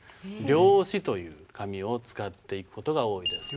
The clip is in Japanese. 料紙という紙を使っていく事が多いです。